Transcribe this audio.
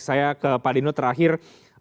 saya ke pak dino terakhir